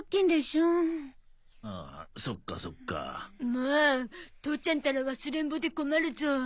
もう父ちゃんたら忘れんぼで困るゾ。